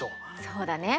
そうだね。